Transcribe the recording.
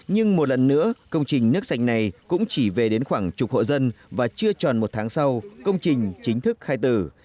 nhưng một lần nữa công trình nước sạch này cũng chỉ về đến khoảng chục hộ dân và chưa tròn một tháng sau công trình chính thức khai tử